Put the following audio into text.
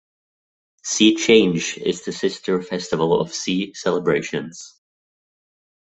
See Change is the sister festival of See Celebrations.